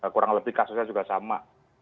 kurang lebih kasusnya juga sama